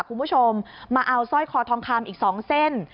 คุณผู้ชมมาเอาสร้อยคอทองคำอีก๒เส้น